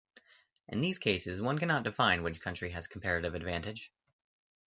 In these cases, one cannot define which country has comparative advantage.